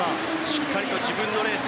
しっかりと自分のレース。